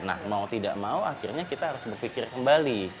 nah mau tidak mau akhirnya kita harus berpikir kembali